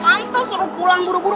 anto suruh pulang buru buru